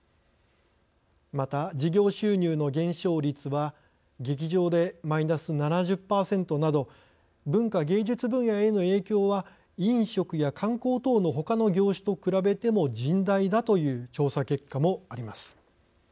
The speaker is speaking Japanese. また事業収入の減少率は劇場でマイナス７０％など文化芸術分野への影響は飲食や観光等のほかの業種と比べても甚大だという調査結果もあります。